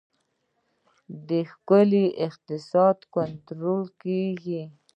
د ښکار اقتصاد کنټرول کیږي